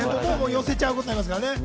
寄せちゃうことになるからね。